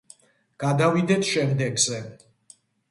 გადავიდეთ შემდეგზე.